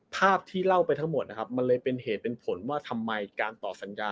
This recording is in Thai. ภาพที่เล่าไปทั้งหมดนะครับมันเลยเป็นเหตุเป็นผลว่าทำไมการต่อสัญญา